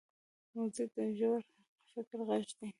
موزیک د ژور فکر غږ دی.